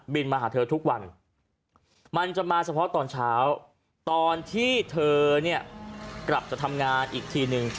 มาหาเธอทุกวันมันจะมาเฉพาะตอนเช้าตอนที่เธอเนี่ยกลับจะทำงานอีกทีนึง